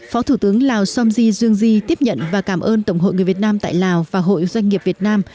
phó thủ tướng lào somji yungji tiếp nhận và cảm ơn tổng hội người việt nam tại lào và hội doanh nghiệp việt nam